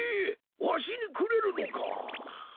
わしにくれるのか？